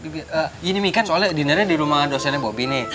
gini mi soalnya dinernya di rumah dosen bobby nih